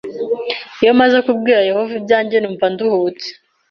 Iyo maze kubwira Yehova ibyanjye numva nduhutse